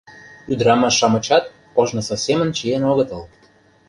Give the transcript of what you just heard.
Ӱдырамаш-шамычат ожнысо семын чиен огытыл.